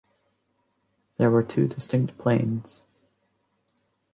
There were two distinct planes.